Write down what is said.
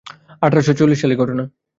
আঠার শ চরিশ সালের ঘটনা।